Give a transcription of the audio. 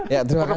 ya terima kasih